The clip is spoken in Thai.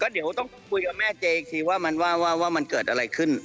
เดี๋ยวต้องคุยกับแม่เจอีกทีว่ามันว่ามันเกิดอะไรขึ้น